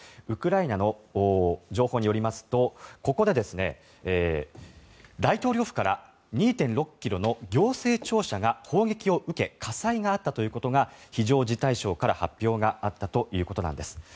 ウクライナの情報によりますとここで大統領府から２．６ｋｍの行政庁舎が砲撃を受け火災があったということが非常事態省から発表があったということなんです。